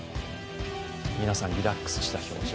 皆さんリラックスした表情。